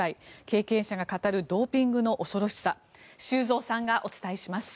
経験者が語るドーピングの恐ろしさ修造さんがお伝えします。